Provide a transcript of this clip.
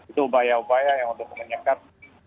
itu upaya upaya yang untuk menyekat